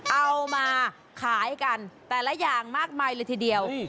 เอามาขายกันแต่ละอย่างมากมายเลยทีเดียว